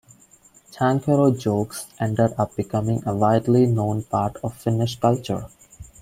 "Tankero jokes" ended up becoming a widely known part of Finnish culture.